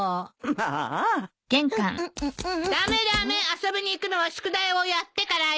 遊びに行くのは宿題をやってからよ。